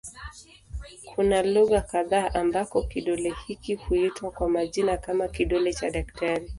Kuna lugha kadha ambako kidole hiki huitwa kwa majina kama "kidole cha daktari".